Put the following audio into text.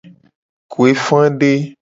Kuefade.